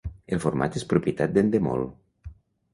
El format és propietat d'Endemol.